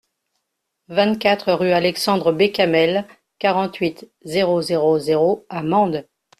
vingt-quatre rue Alexandre Bécamel, quarante-huit, zéro zéro zéro à Mende